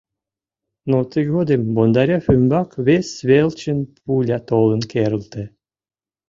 Но тыгодым Бондарев ӱмбак вес велчын пуля толын керылте.